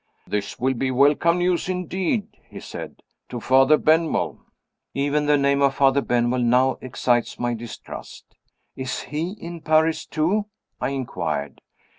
"This will be welcome news indeed," he said, "to Father Benwell." Even the name of Father Benwell now excites my distrust. "Is he in Paris too?" I inquired.